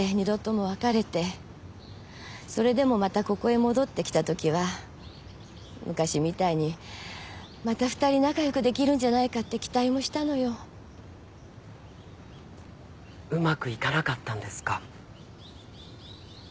それでもまたここへ戻ってきた時は昔みたいにまた２人仲よくできるんじゃないかって期待もしたのようまくいかなかったんですか？